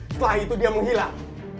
setelah itu dia menghilang